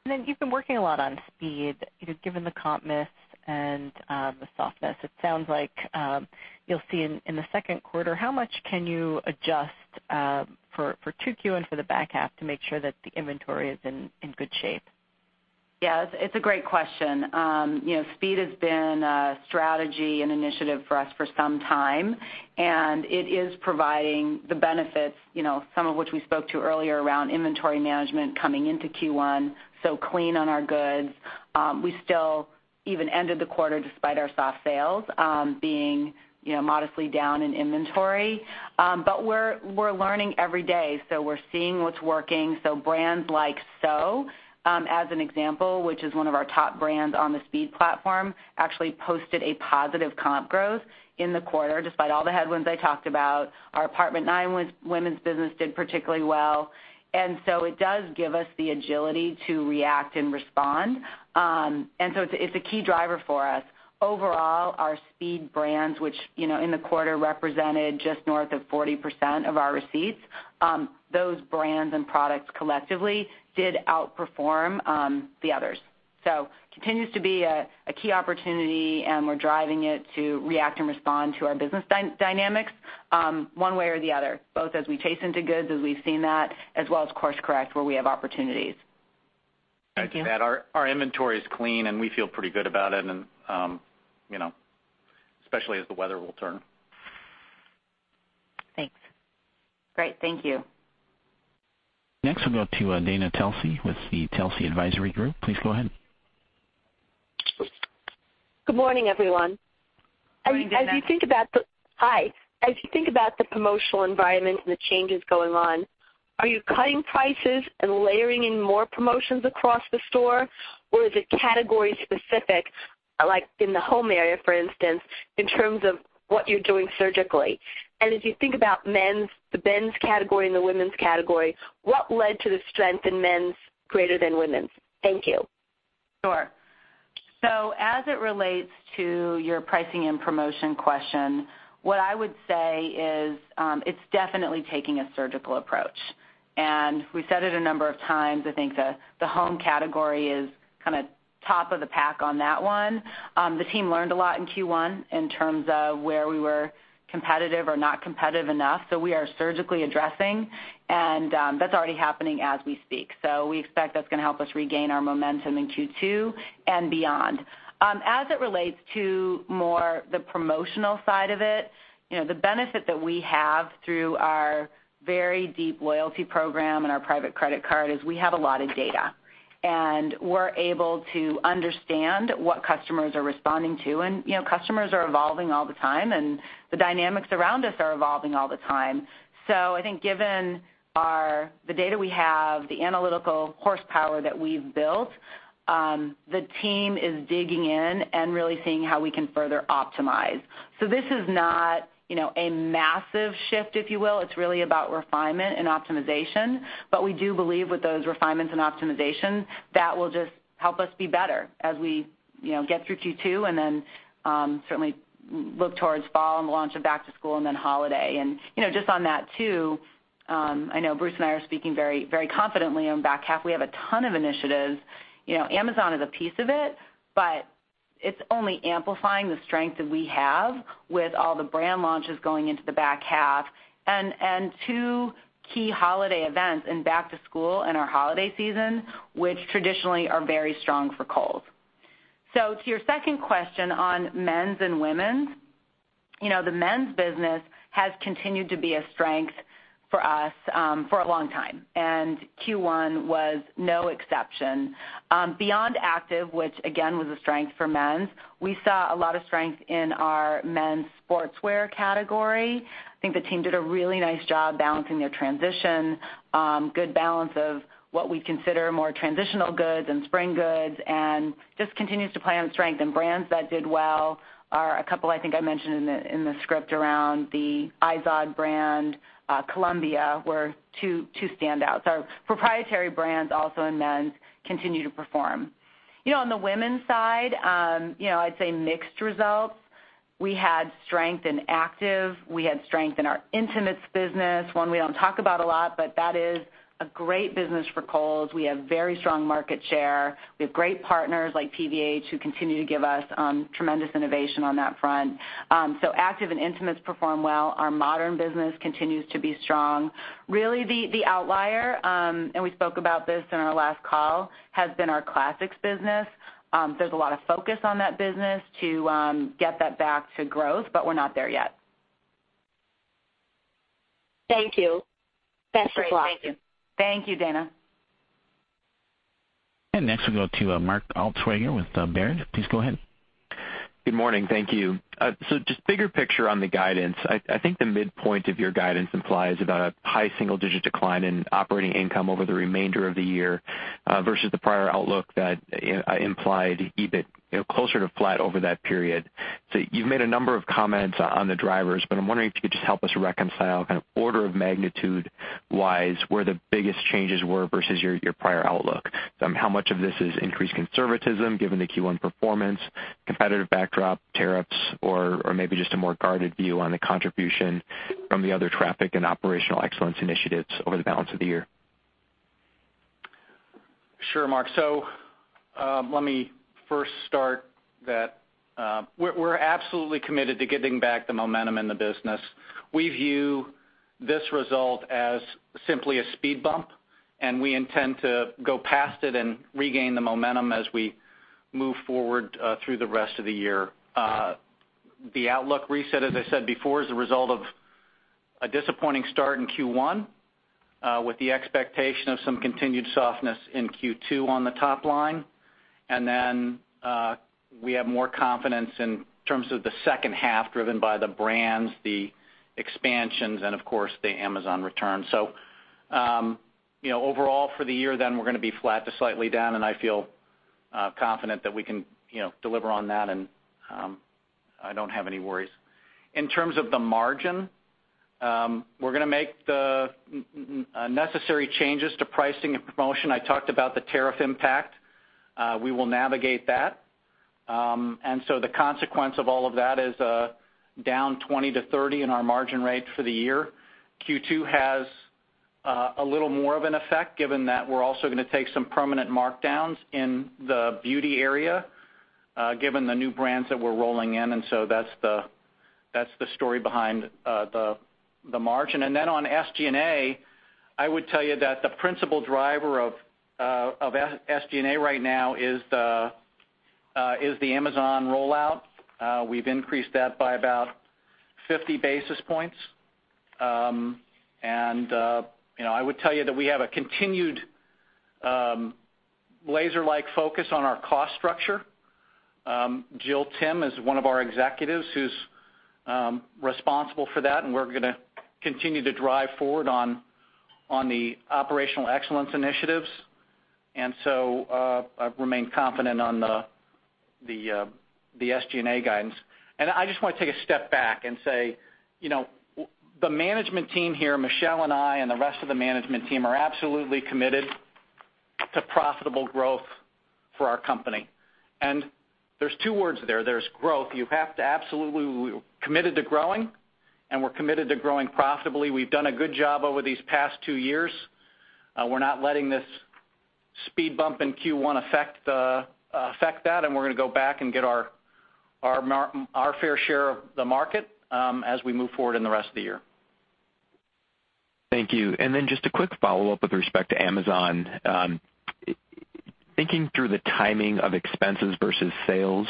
You've been working a lot on speed. Given the comp mists and the softness, it sounds like you'll see in the second quarter, how much can you adjust for Q2 and for the back half to make sure that the inventory is in good shape? Yeah. It's a great question. Speed has been a strategy and initiative for us for some time, and it is providing the benefits, some of which we spoke to earlier around inventory management coming into Q1. Clean on our goods. We still even ended the quarter despite our soft sales being modestly down in inventory. We're learning every day. We're seeing what's working. Brands like SEW, as an example, which is one of our top brands on the Speed platform, actually posted a positive comp growth in the quarter despite all the headwinds I talked about. Our Apartment 9 women's business did particularly well. It does give us the agility to react and respond. It is a key driver for us. Overall, our Speed brands, which in the quarter represented just north of 40% of our receipts, those brands and products collectively did outperform the others. It continues to be a key opportunity, and we're driving it to react and respond to our business dynamics one way or the other, both as we chase into goods, as we've seen that, as well as course-correct where we have opportunities. Thank you. Our inventory is clean, and we feel pretty good about it, especially as the weather will turn. Thanks. Great. Thank you. Next, we'll go to Dana Telsey with the Telsey Advisory Group. Please go ahead. Good morning, everyone. As you think about the hi. As you think about the promotional environment and the changes going on, are you cutting prices and layering in more promotions across the store, or is it category-specific, like in the home area, for instance, in terms of what you're doing surgically? As you think about the men's category and the women's category, what led to the strength in men's greater than women's? Thank you. Sure. As it relates to your pricing and promotion question, what I would say is it's definitely taking a surgical approach. We said it a number of times. I think the home category is kind of top of the pack on that one. The team learned a lot in Q1 in terms of where we were competitive or not competitive enough. We are surgically addressing, and that's already happening as we speak. We expect that's going to help us regain our momentum in Q2 and beyond. As it relates to more the promotional side of it, the benefit that we have through our very deep loyalty program and our private credit card is we have a lot of data, and we're able to understand what customers are responding to. Customers are evolving all the time, and the dynamics around us are evolving all the time. I think given the data we have, the analytical horsepower that we've built, the team is digging in and really seeing how we can further optimize. This is not a massive shift, if you will. It's really about refinement and optimization. We do believe with those refinements and optimizations, that will just help us be better as we get through Q2 and then certainly look towards fall and the launch of back to school and then holiday. Just on that too, I know Bruce and I are speaking very confidently on back half. We have a ton of initiatives. Amazon is a piece of it, but it's only amplifying the strength that we have with all the brand launches going into the back half and two key holiday events and back to school in our holiday season, which traditionally are very strong for Kohl's. To your second question on men's and women's, the men's business has continued to be a strength for us for a long time. Q1 was no exception. Beyond Active, which again was a strength for men's, we saw a lot of strength in our men's sportswear category. I think the team did a really nice job balancing their transition, good balance of what we consider more transitional goods and spring goods, and just continues to play on strength. Brands that did well are a couple I think I mentioned in the script around the IZOD brand, Columbia were two standouts. Our proprietary brands also in men's continue to perform. On the women's side, I'd say mixed results. We had strength in Active. We had strength in our intimates business, one we don't talk about a lot, but that is a great business for Kohl's. We have very strong market share. We have great partners like PVH who continue to give us tremendous innovation on that front. Active and intimates perform well. Our modern business continues to be strong. Really, the outlier, and we spoke about this in our last call, has been our classics business. There's a lot of focus on that business to get that back to growth, but we're not there yet. Thank you. Best of luck. Thank you. Thank you, Dana. Next, we'll go to Mark Altschwager with Barrett. Please go ahead. Good morning. Thank you. Just bigger picture on the guidance, I think the midpoint of your guidance implies about a high single-digit decline in operating income over the remainder of the year versus the prior outlook that implied EBIT closer to flat over that period. You've made a number of comments on the drivers, but I'm wondering if you could just help us reconcile kind of order of magnitude-wise where the biggest changes were versus your prior outlook. How much of this is increased conservatism given the Q1 performance, competitive backdrop, tariffs, or maybe just a more guarded view on the contribution from the other traffic and operational excellence initiatives over the balance of the year? Sure, Mark. Let me first start that we're absolutely committed to getting back the momentum in the business. We view this result as simply a speed bump, and we intend to go past it and regain the momentum as we move forward through the rest of the year. The outlook reset, as I said before, is a result of a disappointing start in Q1 with the expectation of some continued softness in Q2 on the top line. We have more confidence in terms of the second half driven by the brands, the expansions, and of course, the Amazon return. Overall for the year, then we're going to be flat to slightly down, and I feel confident that we can deliver on that, and I don't have any worries. In terms of the margin, we're going to make the necessary changes to pricing and promotion. I talked about the tariff impact. We will navigate that. The consequence of all of that is down 20-30 in our margin rate for the year. Q2 has a little more of an effect given that we're also going to take some permanent markdowns in the beauty area given the new brands that we're rolling in. That's the story behind the margin. On SG&A, I would tell you that the principal driver of SG&A right now is the Amazon rollout. We've increased that by about 50 basis points. I would tell you that we have a continued laser-like focus on our cost structure. Jill Timm is one of our executives who's responsible for that, and we're going to continue to drive forward on the operational excellence initiatives. I remain confident on the SG&A guidance. I just want to take a step back and say the management team here, Michelle and I and the rest of the management team are absolutely committed to profitable growth for our company. There are two words there. There is growth. You have to absolutely be committed to growing, and we're committed to growing profitably. We've done a good job over these past two years. We're not letting this speed bump in Q1 affect that, and we're going to go back and get our fair share of the market as we move forward in the rest of the year. Thank you. Just a quick follow-up with respect to Amazon. Thinking through the timing of expenses versus sales,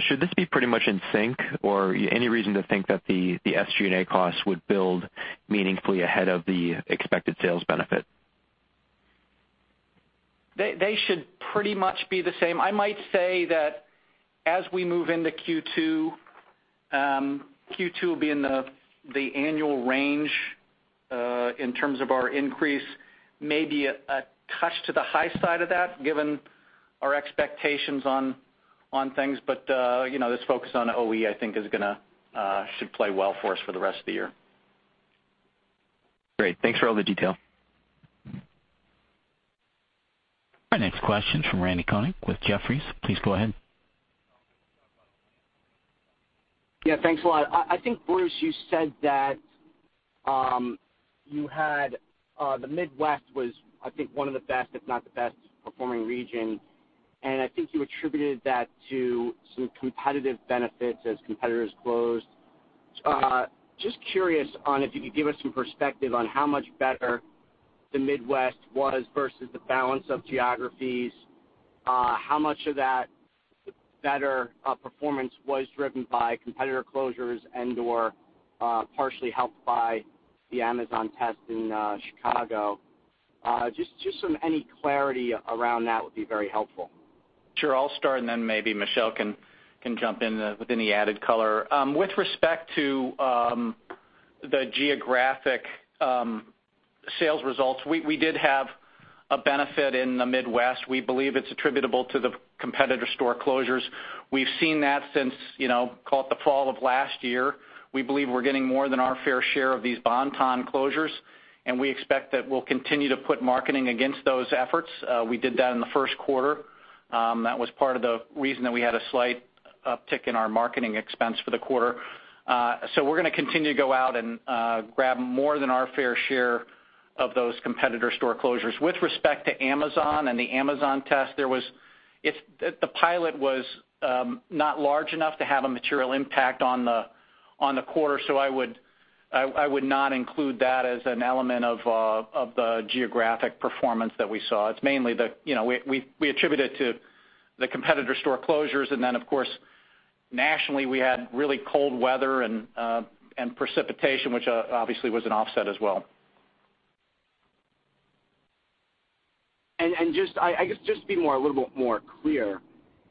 should this be pretty much in sync, or any reason to think that the SG&A costs would build meaningfully ahead of the expected sales benefit? They should pretty much be the same. I might say that as we move into Q2, Q2 will be in the annual range in terms of our increase, maybe a touch to the high side of that given our expectations on things. This focus on OE, I think, should play well for us for the rest of the year. Great. Thanks for all the detail. Our next question is from Randal Konik with Jefferies. Please go ahead. Yeah. Thanks a lot. I think, Bruce, you said that the Midwest was, I think, one of the best, if not the best-performing region. I think you attributed that to some competitive benefits as competitors closed. Just curious if you could give us some perspective on how much better the Midwest was versus the balance of geographies, how much of that better performance was driven by competitor closures and/or partially helped by the Amazon test in Chicago. Any clarity around that would be very helpful. Sure. I'll start, and then maybe Michelle can jump in with any added color. With respect to the geographic sales results, we did have a benefit in the Midwest. We believe it's attributable to the competitor store closures. We've seen that since, call it, the fall of last year. We believe we're getting more than our fair share of these Bon-Ton closures, and we expect that we'll continue to put marketing against those efforts. We did that in the first quarter. That was part of the reason that we had a slight uptick in our marketing expense for the quarter. We are going to continue to go out and grab more than our fair share of those competitor store closures. With respect to Amazon and the Amazon test, the pilot was not large enough to have a material impact on the quarter, so I would not include that as an element of the geographic performance that we saw. It is mainly that we attribute it to the competitor store closures. Of course, nationally, we had really cold weather and precipitation, which obviously was an offset as well. I guess just to be a little bit more clear,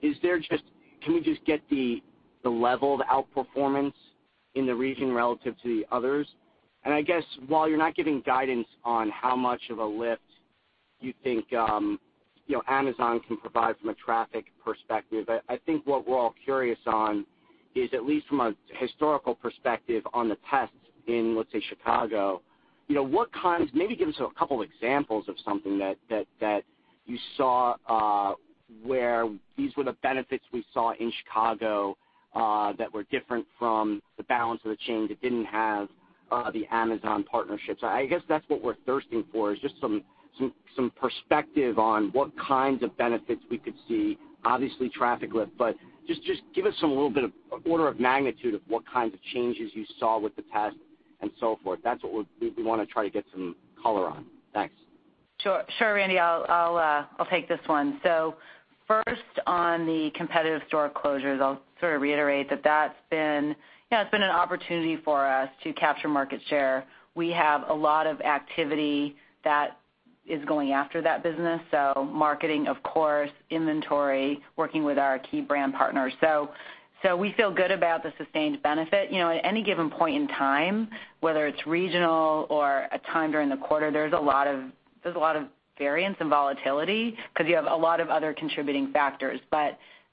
can we just get the level of outperformance in the region relative to the others? I guess while you're not giving guidance on how much of a lift you think Amazon can provide from a traffic perspective, I think what we're all curious on is, at least from a historical perspective on the tests in, let's say, Chicago, maybe give us a couple of examples of something that you saw where these were the benefits we saw in Chicago that were different from the balance of the chain that didn't have the Amazon partnerships. I guess that's what we're thirsting for, is just some perspective on what kinds of benefits we could see, obviously traffic lift. Just give us a little bit of order of magnitude of what kinds of changes you saw with the test and so forth. That's what we want to try to get some color on. Thanks. Sure, Randal. I'll take this one. First, on the competitive store closures, I'll sort of reiterate that that's been an opportunity for us to capture market share. We have a lot of activity that is going after that business, so marketing, of course, inventory, working with our key brand partners. We feel good about the sustained benefit. At any given point in time, whether it's regional or a time during the quarter, there's a lot of variance and volatility because you have a lot of other contributing factors.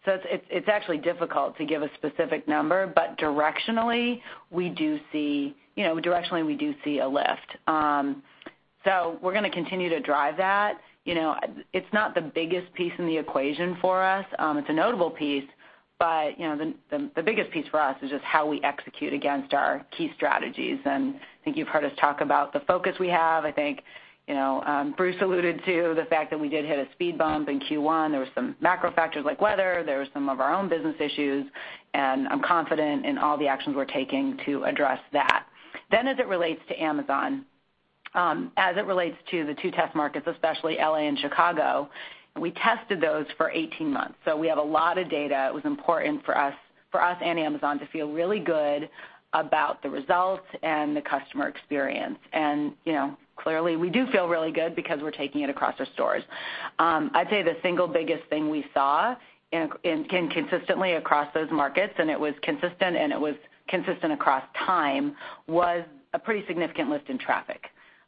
It's actually difficult to give a specific number, but directionally, we do see a lift. We're going to continue to drive that. It's not the biggest piece in the equation for us. It's a notable piece, but the biggest piece for us is just how we execute against our key strategies. I think you've heard us talk about the focus we have. I think Bruce alluded to the fact that we did hit a speed bump in Q1. There were some macro factors like weather. There were some of our own business issues. I'm confident in all the actions we're taking to address that. As it relates to Amazon, as it relates to the two test markets, especially L.A. and Chicago, we tested those for 18 months. We have a lot of data. It was important for us and Amazon to feel really good about the results and the customer experience. Clearly, we do feel really good because we're taking it across our stores. I'd say the single biggest thing we saw consistently across those markets, and it was consistent, and it was consistent across time, was a pretty significant lift in traffic.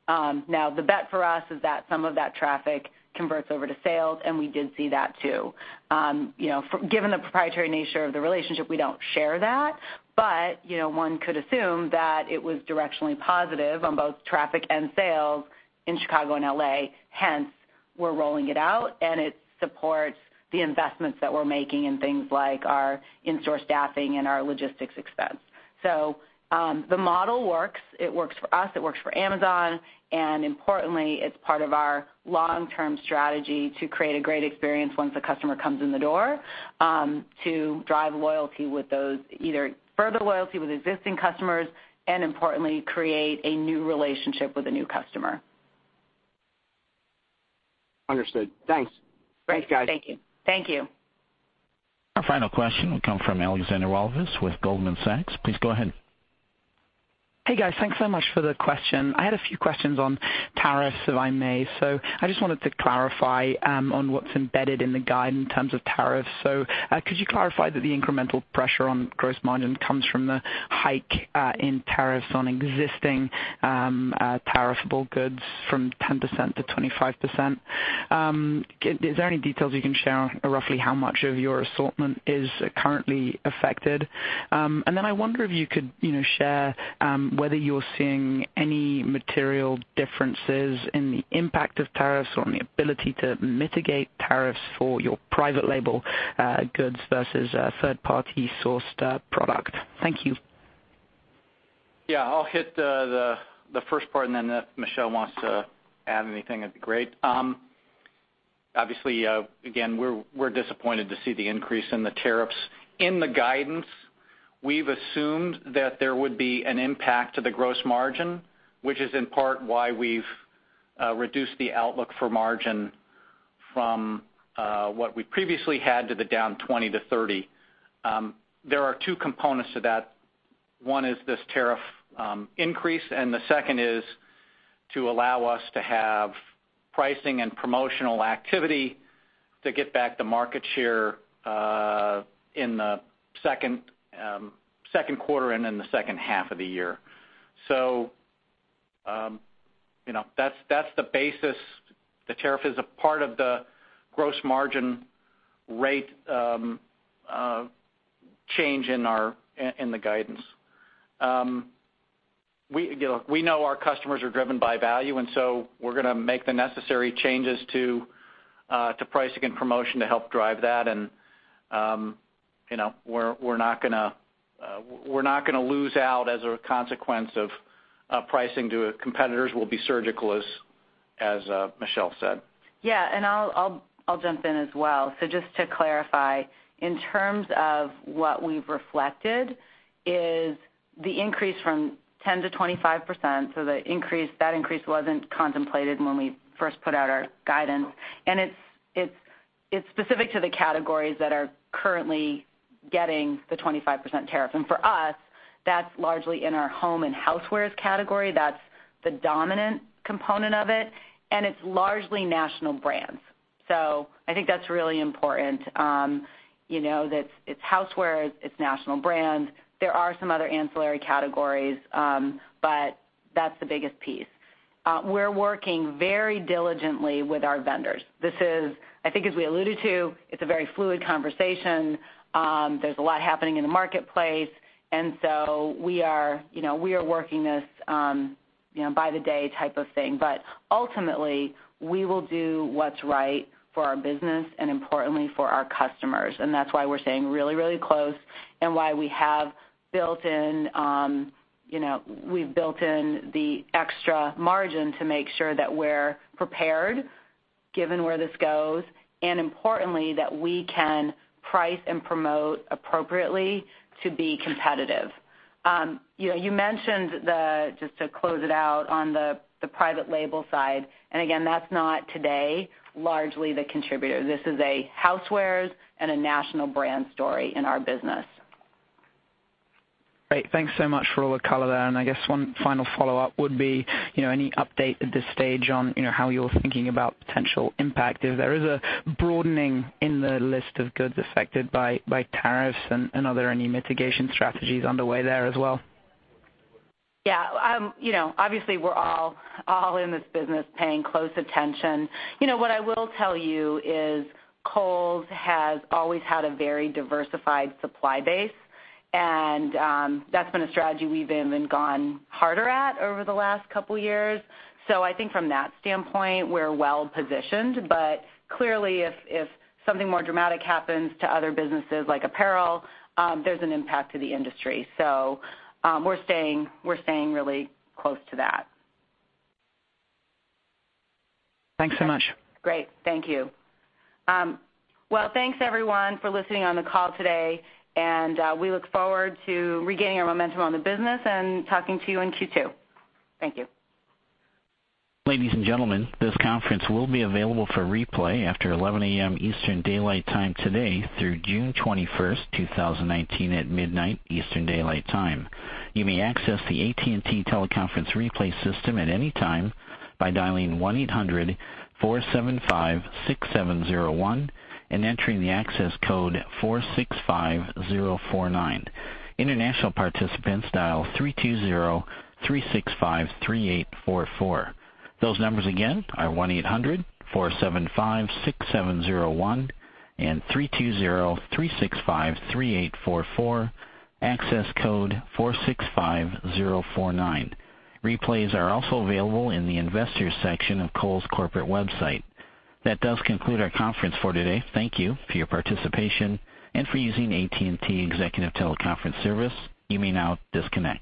Now, the bet for us is that some of that traffic converts over to sales, and we did see that too. Given the proprietary nature of the relationship, we don't share that, but one could assume that it was directionally positive on both traffic and sales in Chicago and L.A. Hence, we're rolling it out, and it supports the investments that we're making in things like our in-store staffing and our logistics expense. The model works. It works for us. It works for Amazon. Importantly, it's part of our long-term strategy to create a great experience once a customer comes in the door to drive loyalty with those, either further loyalty with existing customers and, importantly, create a new relationship with a new customer. Understood. Thanks. Thanks, guys. Thank you. Thank you. Our final question will come from Alexandra Walvis with Goldman Sachs. Please go ahead. Hey, guys. Thanks so much for the question. I had a few questions on tariffs, if I may. I just wanted to clarify on what's embedded in the guide in terms of tariffs. Could you clarify that the incremental pressure on gross margin comes from the hike in tariffs on existing tariffable goods from 10% to 25%? Is there any details you can share on roughly how much of your assortment is currently affected? I wonder if you could share whether you're seeing any material differences in the impact of tariffs or in the ability to mitigate tariffs for your private label goods versus third-party sourced product. Thank you. Yeah. I'll hit the first part, and if Michelle wants to add anything, that'd be great. Obviously, again, we're disappointed to see the increase in the tariffs. In the guidance, we've assumed that there would be an impact to the gross margin, which is in part why we've reduced the outlook for margin from what we previously had to the down 20-30. There are two components to that. One is this tariff increase, and the second is to allow us to have pricing and promotional activity to get back the market share in the second quarter and in the second half of the year. That is the basis. The tariff is a part of the gross margin rate change in the guidance. We know our customers are driven by value, and we are going to make the necessary changes to pricing and promotion to help drive that. We are not going to lose out as a consequence of pricing to competitors. We will be surgical, as Michelle said. Yeah. I will jump in as well. Just to clarify, in terms of what we've reflected, is the increase from 10% to 25%, so that increase wasn't contemplated when we first put out our guidance. It's specific to the categories that are currently getting the 25% tariff. For us, that's largely in our home and housewares category. That's the dominant component of it. It's largely national brands. I think that's really important that it's housewares, it's national brands. There are some other ancillary categories, but that's the biggest piece. We're working very diligently with our vendors. I think, as we alluded to, it's a very fluid conversation. There's a lot happening in the marketplace. We are working this by-the-day type of thing. Ultimately, we will do what's right for our business and, importantly, for our customers. That's why we're staying really, really close and why we have built in the extra margin to make sure that we're prepared given where this goes and, importantly, that we can price and promote appropriately to be competitive. You mentioned, just to close it out, on the private label side. Again, that's not today largely the contributor. This is a housewares and a national brand story in our business. Great. Thanks so much for all the color there. I guess one final follow-up would be any update at this stage on how you're thinking about potential impact if there is a broadening in the list of goods affected by tariffs and are there any mitigation strategies underway there as well? Yeah. Obviously, we're all in this business paying close attention. What I will tell you is Kohl's has always had a very diversified supply base, and that's been a strategy we've even gone harder at over the last couple of years. I think from that standpoint, we're well positioned. Clearly, if something more dramatic happens to other businesses like apparel, there's an impact to the industry. We're staying really close to that. Thanks so much. Great. Thank you. Thanks, everyone, for listening on the call today. We look forward to regaining our momentum on the business and talking to you in Q2. Thank you. Ladies and gentlemen, this conference will be available for replay after 11:00 A.M. Eastern Daylight Time today through June 21st, 2019, at midnight Eastern Daylight Time. You may access the AT&T teleconference replay system at any time by dialing 1-800-475-6701 and entering the access code 465049. International participants dial 320-365-3844. Those numbers again are 1-800-475-6701 and 320-365-3844, access code 465049. Replays are also available in the investors' section of Kohl's corporate website. That does conclude our conference for today. Thank you for your participation and for using AT&T Executive Teleconference Service. You may now disconnect.